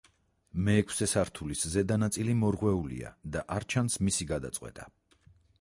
მეექვსე სართულის ზედა ნაწილი მორღვეულია და არ ჩანს მისი გადაწყვეტა.